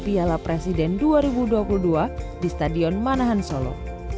piala presiden dua ribu dua puluh dua di stadion manahan solo